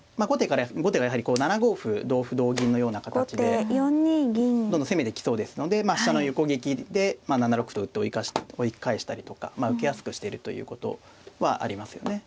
後手がやはり７五歩同歩同銀のような形でどんどん攻めてきそうですので飛車の横利きで７六歩と打って追い返したりとかまあ受けやすくしてるということはありますよね。